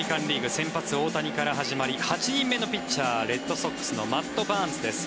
先発、大谷から始まり８人目のピッチャーレッドソックスのマット・バーンズです。